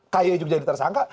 kai juga jadi tersangka